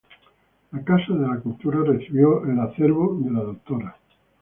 La Casa de Cultura recibió el acervo de la Dra.